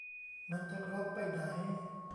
มันจะคล้องไปไหน